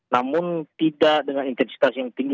namun tidak dengan intensitas yang tinggi